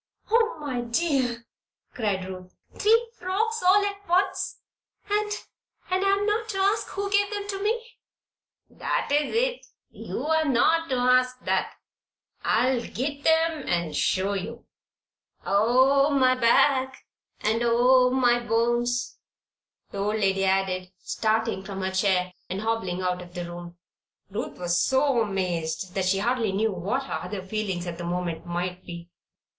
"Oh, my dear!" cried Ruth. "Three frocks all at once! And and I'm not to ask who gave them to me?" "That's it. You're not to ask that. I'll git 'em and show you Oh, my back and oh, my bones! Oh, my back and oh, my bones!" the old lady added, starting from her chair and hobbling out of the room. Ruth was so amazed that she hardly knew what her other feelings at the moment might be.